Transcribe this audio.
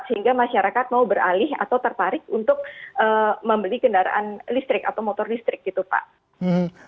sehingga masyarakat mau beralih atau tertarik untuk membeli kendaraan listrik atau motor listrik gitu pak